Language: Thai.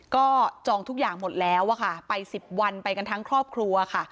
ก็จองทุกอย่างหมดแล้วอะค่ะไป๑๐วันไปกันทั้งครอบครัวค่ะ